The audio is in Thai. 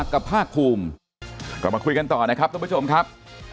กลับมาคุยกันต่อนะครับทุกผู้ชมครับ